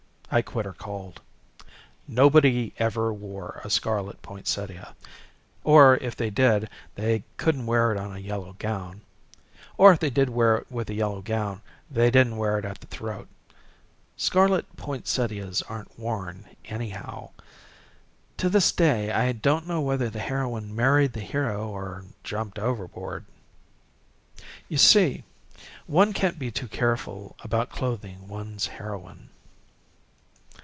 I quit her cold. Nobody ever wore a scarlet poinsettia; or if they did, they couldn't wear it on a yellow gown. Or if they did wear it with a yellow gown, they didn't wear it at the throat. Scarlet poinsettias aren't worn, anyhow. To this day I don't know whether the heroine married the hero or jumped overboard. You see, one can't be too careful about clothing one's heroine.